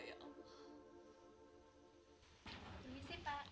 terima kasih pak